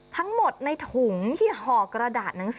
ทั้งหมดในถุงที่ห่อกระดาษ